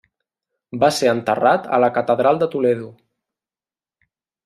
Va ser enterrat a la catedral de Toledo.